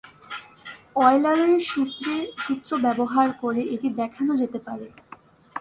অয়লারের সূত্র ব্যবহার করে এটি দেখানো যেতে পারে।